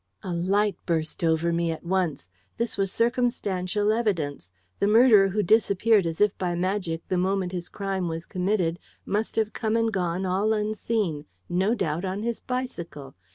A light burst over me at once. This was circumstantial evidence. The murderer who disappeared as if by magic the moment his crime was committed must have come and gone all unseen, no doubt, on his bicycle.